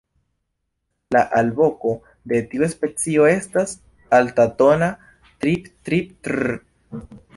La alvoko de tiu specio estas altatona "triiip-triip-trrrrrr".